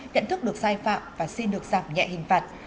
nhận thức được sai phạm và xin được giảm nhẹ hình phạt